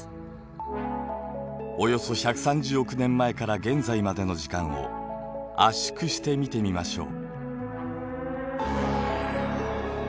およそ１３０億年前から現在までの時間を圧縮して見てみましょう。